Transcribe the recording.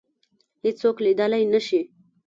هیڅوک لیدلای نه شي